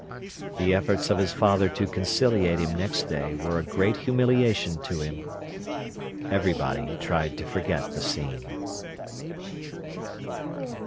The efforts of his father to conciliate him next day were a great humiliation to him. Everybody tried to forget the scene.